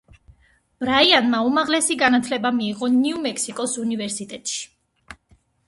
ბრაიანმა უმაღლესი განათლება მიიღო ნიუ-მექსიკოს უნივერსიტეტში.